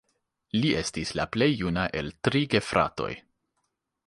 Li estis la plej juna el tri gefratoj.